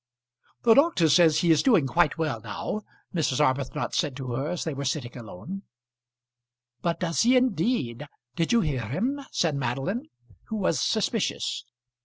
"The doctor says he is doing quite well now," Mrs. Arbuthnot said to her, as they were sitting alone. "But does he indeed? Did you hear him?" said Madeline, who was suspicious.